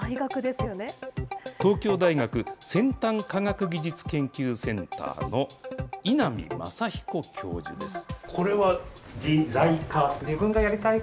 東京大学先端科学技術研究センターの稲見昌彦教授です。